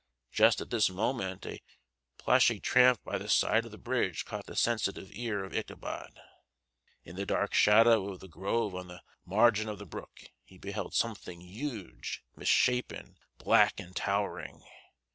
Just at this moment a plashy tramp by the side of the bridge caught the sensitive ear of Ichabod. In the dark shadow of the grove on the margin of the brook he beheld something huge, misshapen, black, and towering.